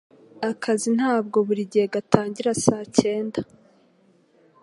Akazi ntabwo buri gihe gatangira saa cyenda.